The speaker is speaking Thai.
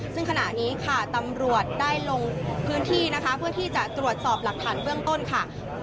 ซึ่งขณะนี้ค่ะตำรวจได้ลงพื้นที่นะคะเพื่อที่จะตรวจสอบหลักฐานเบื้องต้นค่ะ